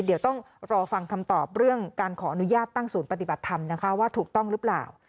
เดี๋ยวต้องรอฟังคำตอบเรื่องการขออนุญาตตั้งศูนย์ปฏิบัติธรรมนะคะว่าถูกต้องหรือเปล่า